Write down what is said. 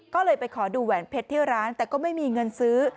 ก็เลยไปขอดูแหวนเพชรที่ร้านแต่ก็ไม่มีเงินซื้อ